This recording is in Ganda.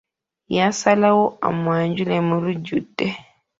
Yasalawo amwajule mu lujjudde.